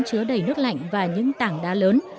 chứa đầy nước lạnh và những tảng đá lớn